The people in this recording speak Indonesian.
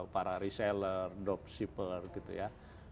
para reseller drop shipper gitu ya